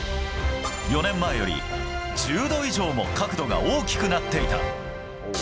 ４年前より１０度以上も角度が大きくなっていた。